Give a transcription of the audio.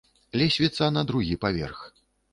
Лесвіца на другі паверх.